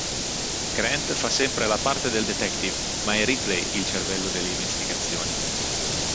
Grant fa sempre la parte del detective, ma è Ripley il cervello delle investigazioni.